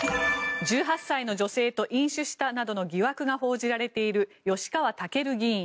１８歳の女性と飲酒したなどの疑惑が報じられている吉川赳議員。